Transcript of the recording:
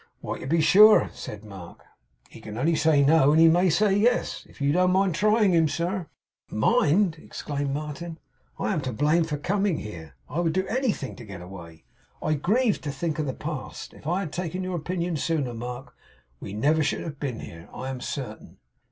'Why to be sure,' said Mark: 'he can only say no, and he may say yes. If you don't mind trying him, sir ' 'Mind!' exclaimed Martin. 'I am to blame for coming here, and I would do anything to get away. I grieve to think of the past. If I had taken your opinion sooner, Mark, we never should have been here, I am certain.